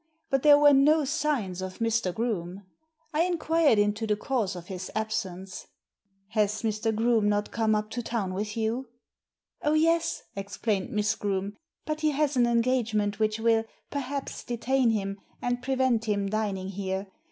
But there were no signs of Mr. Groome. I inquired into the cause of his absence. "Has Mr. Groome not come up to town with you?" •'Oh, yes," explained Miss Groome; ''but he has an engagement which will, perhaps, detain him and prevent him dining here.